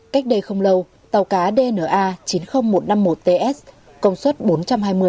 cách đây không lâu tàu cá dna chín mươi nghìn một trăm năm mươi một ts công suất bốn trăm hai mươi